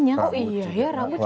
oh iya ya rambut juga jadi salah satu